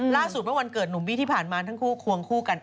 เมื่อวันเกิดหนุ่มบี้ที่ผ่านมาทั้งคู่ควงคู่กัน